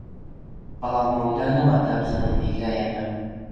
بەڵام مەودا نەما تا بزانین دەیکا یان نا